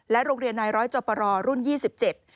โรงเรียนนายร้อยจอปรรุ่นยี่สิบเจ็ด